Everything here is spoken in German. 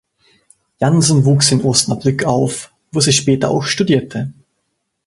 Jansen wuchs in Osnabrück auf, wo sie später auch studierte.